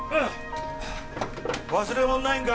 忘れ物ないんか？